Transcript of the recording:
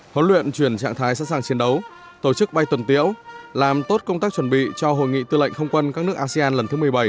huấn luyện chuyển trạng thái sẵn sàng chiến đấu tổ chức bay tuần tiễu làm tốt công tác chuẩn bị cho hội nghị tư lệnh không quân các nước asean lần thứ một mươi bảy